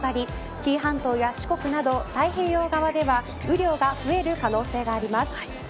紀伊半島や四国など太平洋側では雨量が増える可能性があります。